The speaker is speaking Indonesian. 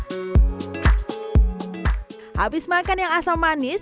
pada besok modern p declaring abis makan yang asam manis enam belas